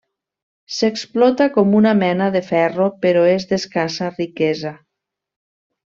S'explota com mena de ferro, però és d'escassa riquesa.